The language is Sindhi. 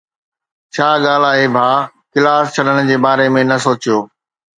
ڇا ڳالهه آهي ڀاءُ؟ ڪلاس ڇڏڻ جي باري ۾ نه سوچيو.